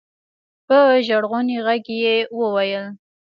په ژړغوني غږ يې وويل.